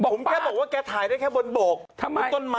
กูแค่บอกว่าแกถ่ายได้สิครั้งบนโบวิเนอะ